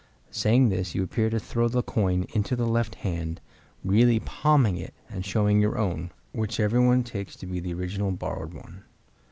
Saying this, you appear to throw the coin into the left hand, really palming it, and showing your own, which everyone takes to be the original borrowed one.